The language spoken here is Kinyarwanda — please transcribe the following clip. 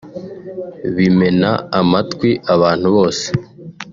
bimena amatwi abantu bose